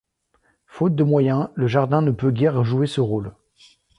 Faute de moyens, le Jardin ne peut guère jouer ce rôle.